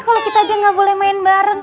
kalo kita aja gak boleh main bareng